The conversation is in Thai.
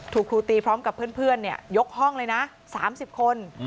ครูตีพร้อมกับเพื่อนยกห้องเลยนะ๓๐คน